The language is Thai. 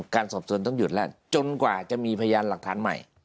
การสอบส่วนต้องหยุดแล้วจนกว่าจะมีพยานหลักฐานใหม่